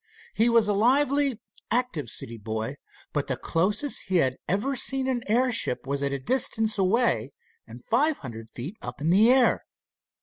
He was a lively, active city boy, but the closest he had ever seen an airship was a distance away and five hundred feet up in the air.